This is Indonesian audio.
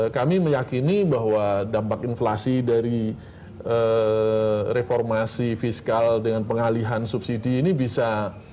kami meyakini bahwa dampak inflasi dari reformasi fiskal dengan pengalihan subsidi ini bisa